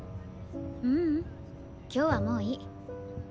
ううん今日はもういい。